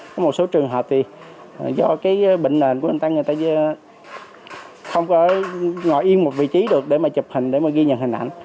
có một số trường hợp thì do cái bệnh nền của bệnh tăng người ta không có ngồi yên một vị trí được để mà chụp hình để mà ghi nhận hình ảnh